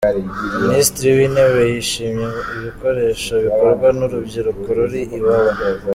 Minisitiri w’Intebe yashimye ibikoresho bikorwa n’urubyiruko ruri i Wawa.